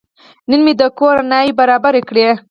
نن مې د کور رڼاوې برابرې کړې.